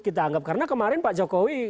kita anggap karena kemarin pak jokowi